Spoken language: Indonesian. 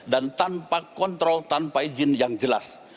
tanpa kontrol tanpa izin yang jelas